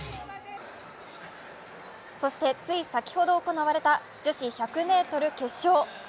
そして、つい先ほど行われた女子１００ｍ決勝。